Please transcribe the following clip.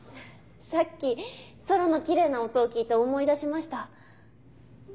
さっきソロのキレイな音を聴いて思い出しました。